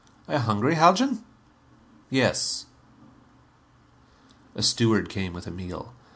"Are you hungry, Haljan?" "Yes." A steward came with a meal.